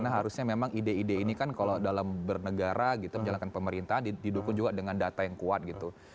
karena harusnya memang ide ide ini kan kalau dalam bernegara gitu menjalankan pemerintahan didukung juga dengan data yang kuat gitu